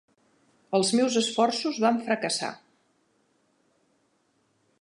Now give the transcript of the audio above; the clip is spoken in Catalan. Els meus esforços van fracassar.